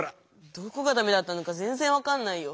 どこがダメだったのかぜんぜん分かんないよ。